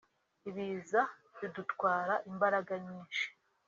Ibiza bidutwara imbaraga nyinshi